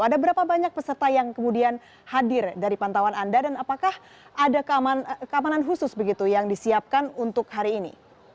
ada berapa banyak peserta yang kemudian hadir dari pantauan anda dan apakah ada keamanan khusus begitu yang disiapkan untuk hari ini